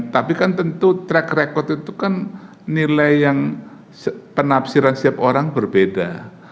tapi kan tentu track record itu kan nilai yang penafsiran setiap orang berbeda